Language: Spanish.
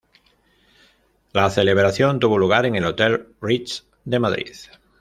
La celebración tuvo lugar en el Hotel Ritz de Madrid.